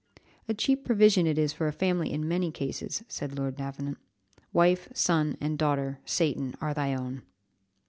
"A cheap provision it is for a family in many cases," said Lord Davenant. "Wife, son, and daughter, Satan, are thy own."